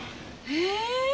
へえ！